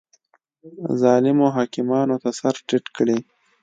ظالمو حاکمانو ته سر ټیټ کړي